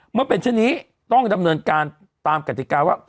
เมื่อเป็นชนิดนี้ต้องจำเนินการคือกรับกรัฐการว่า